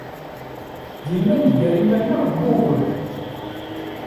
Dima neggar iman-nneɣ deg wuguren.